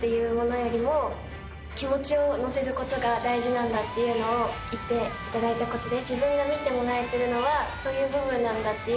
なんだっていうのを言っていただいたことで。